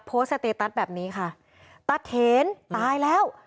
โพสต์สเตตัสแบบนี้ค่ะตัดเห็นตายแล้ว